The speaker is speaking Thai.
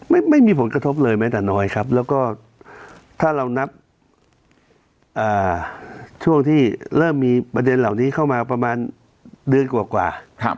ไม่มีผลกระทบเลยแม้แต่น้อยครับแล้วก็ถ้าเรานับช่วงที่เริ่มมีประเด็นเหล่านี้เข้ามาประมาณเดือนกว่า